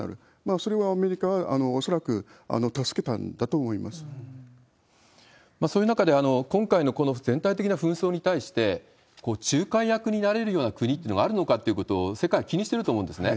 それをアメリカは恐らく助けたんそういう中で、今回のこの全体的な紛争に対して、仲介役になれるような国っていうのがあるのかっていうことを、世界は気にしてると思うんですね。